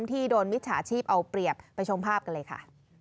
ที่โดนมิจฉาชีพเอาเปรียบไปชมภาพกันเลยค่ะ